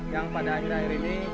yang pada akhir akhir ini